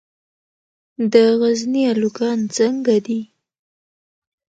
د غزني الوګان څنګه دي؟